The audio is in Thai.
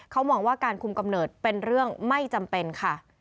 เขามองว่าการคุมกำเนิดเป็นเรื่องไม่จำเป็นค่ะ